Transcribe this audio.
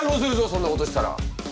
そんなことしたら。